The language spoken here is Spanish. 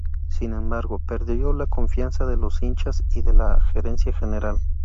Sin embargo, perdió la confianza de los hinchas y de la gerencia general.